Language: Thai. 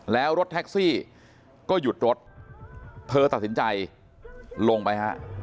แล้วรถแท็กซี่ก็หยุดรถเธอตัดสินใจลงไปฮะ